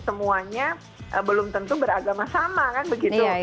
semuanya belum tentu beragama sama kan begitu